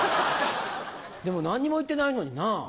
でも何にも言ってないのにな。